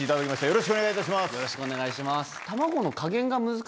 よろしくお願いします。